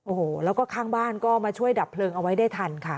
โอ้โหแล้วก็ข้างบ้านก็มาช่วยดับเพลิงเอาไว้ได้ทันค่ะ